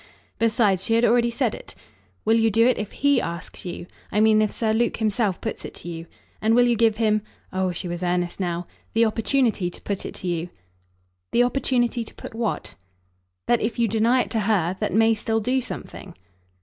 Besides, she had already said it. "Will you do it if HE asks you? I mean if Sir Luke himself puts it to you. And will you give him" oh she was earnest now! "the opportunity to put it to you?" "The opportunity to put what?" "That if you deny it to her, that may still do something."